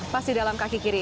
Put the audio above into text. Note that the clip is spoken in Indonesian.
pas di dalam kaki kiri ya